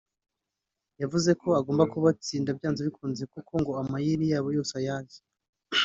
yavuze ko agomba kubatsinda byanze bikunze kuko ngo amayeri yabo yose ayazi